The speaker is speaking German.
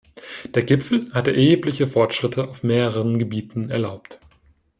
Der Gipfel hat erhebliche Fortschritte auf mehreren Gebieten erlaubt.